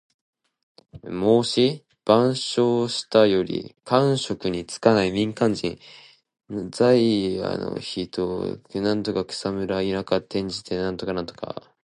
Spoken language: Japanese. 『孟子』「万章・下」より。官職に就かない民間人。在野の人。「草莽」は草むら・田舎。転じて在野・民間をいう。